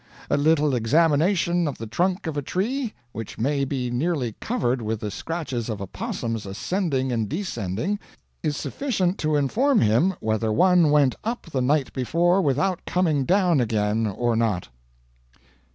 A little examination of the trunk of a tree which may be nearly covered with the scratches of opossums ascending and descending is sufficient to inform him whether one went up the night before without coming down again or not."